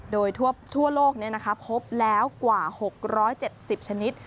โดยทั่วโลกเนี่ยนะครับพบแล้วกว่า๖๗๐ชนิด